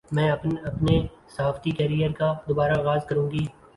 میں اب اپنے صحافتی کیریئر کا دوبارہ آغاز کرونگی